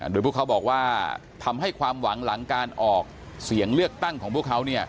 โดยพวกเขาบอกว่าทำให้ความหวังหลังการออกเสียงเลือกตั้งของพวกเขา